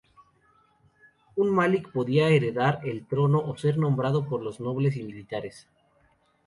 Un malik podía heredar el trono o ser nombrado por los nobles y militares.